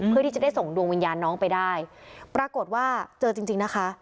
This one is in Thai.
เพื่อที่จะได้ส่งดวงวิญญาณน้องไปได้ปรากฏว่าเจอจริงจริงนะคะ